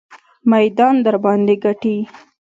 میدان درباندې ګټي.